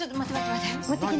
持っていきな。